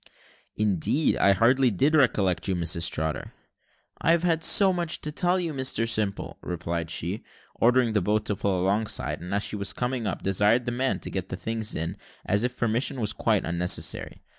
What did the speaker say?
"Indeed, I hardly did recollect you, Mrs Trotter." "I've so much to tell you, Mr Simple," replied she, ordering the boat to pull alongside; and as she was coming up, desired the man to get the things in, as if permission was quite unnecessary.